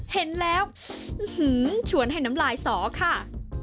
เห็นแล้วชวนให้น้ำลายสอค่ะ